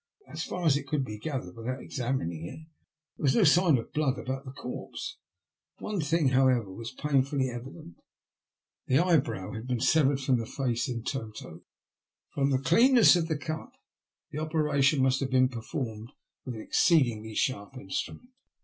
As far as could be gathered without examining it, there was no sign of blood about the corpse; one thing, however, was painfully evident — the l^ eye* brow had been severed from the face in toto* From the cleanness of the cut the operation must have been performed with an exceedingly sharp instrument.